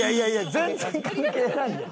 全然関係ないやん。